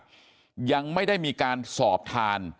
ยังไม่ได้มีการสอบทาน